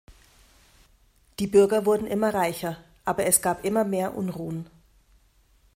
Die Bürger wurden immer reicher, aber es gab immer mehr Unruhen.